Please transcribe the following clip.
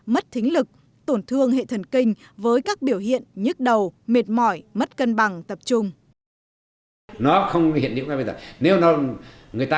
mất thính lực tổn thương hệ thần kinh với các biểu hiện nhức đầu mệt mỏi mất cân bằng tập trung